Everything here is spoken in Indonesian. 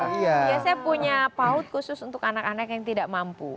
biasanya punya paut khusus untuk anak anak yang tidak mampu